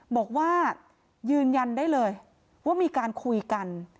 บอกว่ายืนยันได้เลยว่ามีการคุยกัน